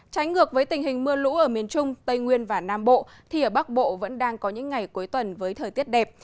trái ngược với tình hình mưa lũ ở miền trung tây nguyên và nam bộ thì ở bắc bộ vẫn đang có những ngày cuối tuần với thời tiết đẹp